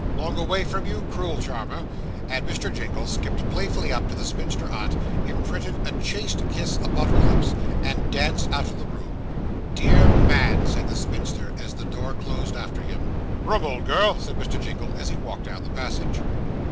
'Long away from you? Cruel charmer,' and Mr. Jingle skipped playfully up to the spinster aunt, imprinted a chaste kiss upon her lips, and danced out of the room. 'Dear man!' said the spinster, as the door closed after him. 'Rum old girl,' said Mr. Jingle, as he walked down the passage.